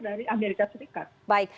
dari amerika serikat